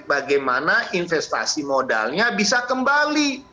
bagaimana investasi modalnya bisa kembali